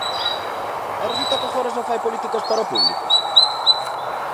¿E resulta que agora só fai políticas para o público?